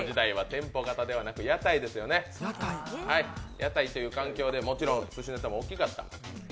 屋台という環境で、もちろんすしネタも大きかった。